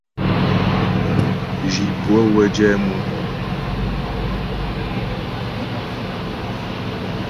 Zhi pʉə́ə wə́ jɛ mʉ.